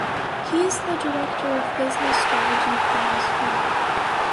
He is the Director of Business Strategy for Mazzuma.